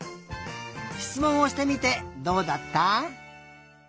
しつもんをしてみてどうだった？